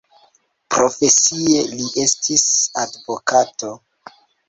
Profesie li estis advokato.